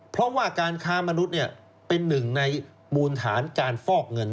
เพราะว่าการค้ามนุษย์เป็นหนึ่งในมูลฐานการฟอกเงิน